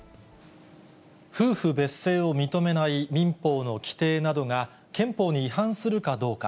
夫婦別姓を認めない民法の規定などが、憲法に違反するかどうか。